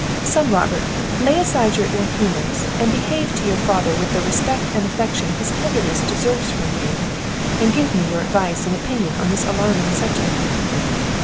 Son Robert, lay aside your ill humours, and behave to your father with the respect and affection his tenderness deserves from you, and give me your advice and opinion on this alarming subject."